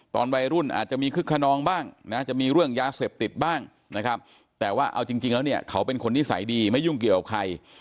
ตอนวัยรุ่นอาจจะมีคึกขนองบ้างนะจะมีเรื่องยาเสพติดบ้างนะครับแต่ว่าเอาจริงแล้วเนี่ยเขาเป็นคนนิสัยดีไม่ยุ่งเกี่ยวกับใคร